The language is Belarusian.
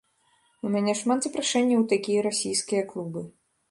У мяне шмат запрашэнняў у такія расійскія клубы.